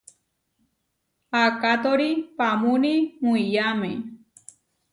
Aakátori paamúni muiyáme.